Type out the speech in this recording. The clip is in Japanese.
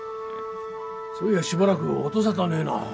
そういやしばらく音沙汰ねえな。